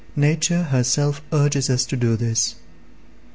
Nature herself urges us all to do this.